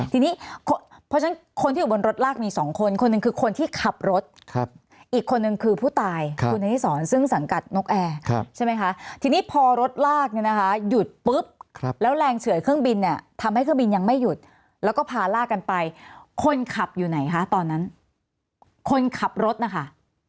ทีนี้เพราะฉะนั้นคนที่อยู่บนรถลากมีสองคนคนหนึ่งคือคนที่ขับรถอีกคนนึงคือผู้ตายคุณอนิสรซึ่งสังกัดนกแอร์ใช่ไหมคะทีนี้พอรถลากเนี่ยนะคะหยุดปุ๊บแล้วแรงเฉื่อยเครื่องบินเนี่ยทำให้เครื่องบินยังไม่หยุดแล้วก็พาลากกันไปคนขับอยู่ไหนคะตอนนั้นคนขับรถนะคะ